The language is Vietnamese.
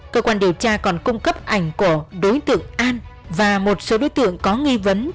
cơ quan điều tra còn cung cấp ảnh của đối tượng an và một số đối tượng có nghi vấn